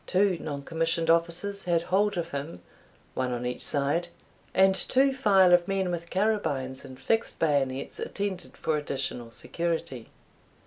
Two non commissioned officers had hold of him, one on each side, and two file of men with carabines and fixed bayonets attended for additional security.